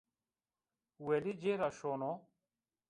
Welî cêr ra şono